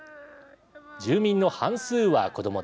住民の半数は子どもです。